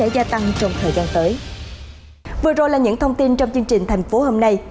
vừa rồi là những thông tin trong chương trình thành phố hôm nay